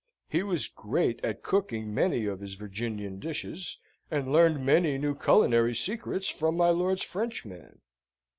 He was great at cooking many of his Virginian dishes, and learned many new culinary secrets from my lord's French man.